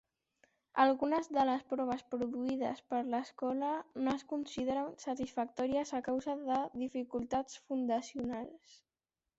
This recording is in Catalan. Algunes de les proves produïdes per l'escola no es consideren satisfactòries a causa de dificultats fundacionals.